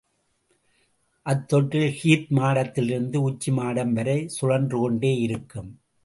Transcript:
அத்தொட்டில் கீத் மாடத்திலிருந்து, உச்சி மாடம் வரை சுழன்று கொண்டே இருக்கும்.